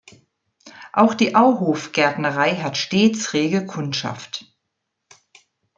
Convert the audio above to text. Auch die Auhof-Gärtnerei hat stets rege Kundschaft.